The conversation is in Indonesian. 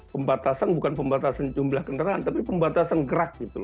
pembatasan bukan pembatasan jumlah kendaraan tapi pembatasan gerak gitu